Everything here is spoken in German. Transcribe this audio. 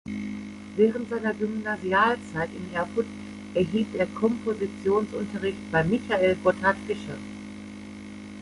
Während seiner Gymnasialzeit in Erfurt erhielt er Kompositionsunterricht bei Michael Gotthard Fischer.